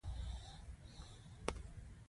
د بخار ماشین د حرکت څرنګوالي لپاره ګېر رامنځته کول.